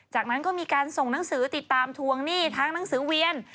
จากนั้นก็มีการส่งหนังสือติดตามทวงหนี้ทั้งหนังสือเวียน